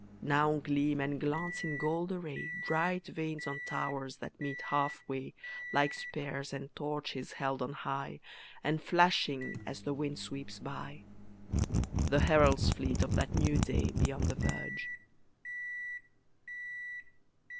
Now gleam and glance in gold array Bright vanes on towers that meet half way Like spears and torches held on high, And flashing as the wind sweeps by— The herald's fleet of that new day Beyond the verge.